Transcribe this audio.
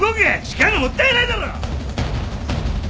時間がもったいないだろ！